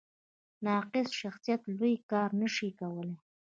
ناقص شخصیت لوی کار نه شي کولی.